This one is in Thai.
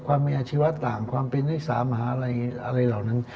ความมีอาชีวะต่างความเป็นรักษามหาลัยอะไรเหล่านั้น